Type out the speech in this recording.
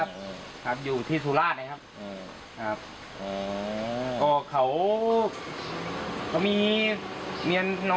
แต่เขาไม่ยอมเลิกใช่ไหม